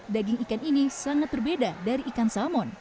daging ikan ini sangat berbeda dari ikan salmon